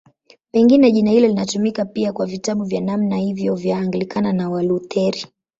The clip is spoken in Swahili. Pengine jina hilo linatumika pia kwa vitabu vya namna hiyo vya Anglikana na Walutheri.